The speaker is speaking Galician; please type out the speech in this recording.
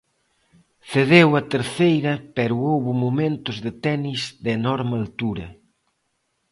Cedeu a terceira pero houbo momentos de tenis de enorme altura.